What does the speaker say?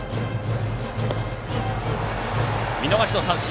見逃しの三振。